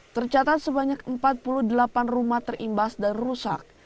tercatat sebanyak empat puluh delapan rumah terimbas dan rusak